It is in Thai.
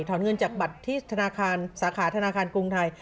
ถอนเงินจากบัตรที่สาขาธนาคารกรุงไทย